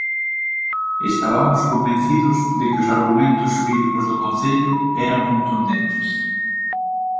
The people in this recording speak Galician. Estabamos convencidos de que os argumentos xurídicos do Concello eran contundentes.